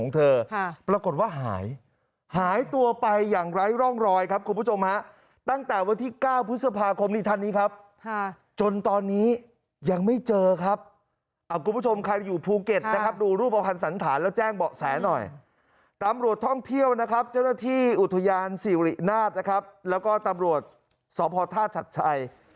เที่ยวนะครับเจ้าหน้าที่อุทยานสิรินาศนะครับแล้วก็ตำรวจสอบพอร์ทธาตุชัดชัย